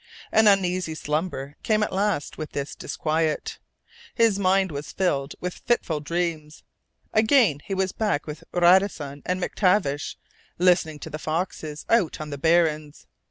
An uneasy slumber came at last with this disquiet. His mind was filled with fitful dreams. Again he was back with Radisson and MacTavish, listening to the foxes out on the barrens.